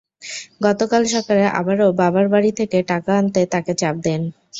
গতকাল সকালে আবারও বাবার বাড়ি থেকে টাকা আনতে তাঁকে চাপ দেন।